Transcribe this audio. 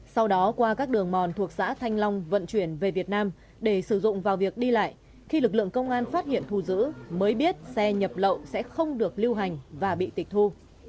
sau đó qua các đường mòn thuộc xã thanh long vận chuyển về việt nam để sử dụng vào việc đi lại khi lực lượng công an phát hiện thù giữ mới biết xe nhập lậu sẽ không được lưu hành và bị tịch thu